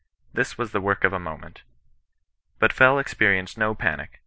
This, was the work of a moment. But Fell experienced no panic.